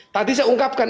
tadi saya ungkapkan